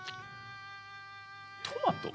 トマト？